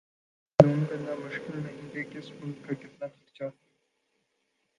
یہ معلوم کرنا مشکل نہیں کہ کس ملک کا کتنا کچرا ھے